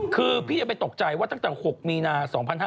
คือพี่จะไปตกใจว่าตั้งแต่๖มีนา๒๕๕๙